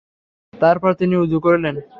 তারপর তিনি উযু করলেন।